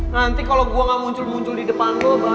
nanti kalau gue gak muncul muncul di depan gue